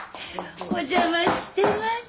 お邪魔してます。